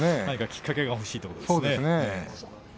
何かきっかけが欲しいところですね。